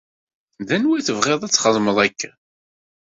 D wanwa tebɣiḍ ad txedmeḍ akken?